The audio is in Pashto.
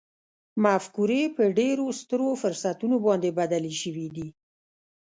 مفکورې په ډېرو سترو فرصتونو باندې بدلې شوې دي